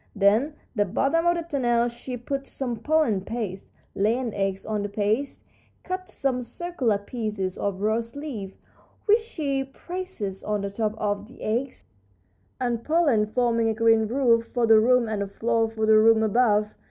In the bottom of the tunnel she puts some pollen paste, lays an egg on the paste, cuts some circular pieces of rose leaf, which she presses on the top of the egg and pollen, forming a green roof for the room and a floor for the room above.